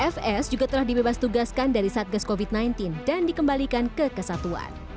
fs juga telah dibebas tugaskan dari satgas covid sembilan belas dan dikembalikan ke kesatuan